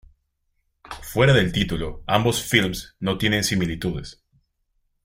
Fuera del título, ambos films no tienen similitudes.